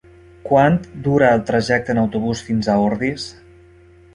Quant dura el trajecte en autobús fins a Ordis?